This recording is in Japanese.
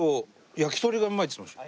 焼き鳥がうまいっつってました。